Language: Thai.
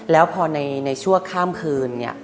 แล้วพอในชั่วข้ามคืน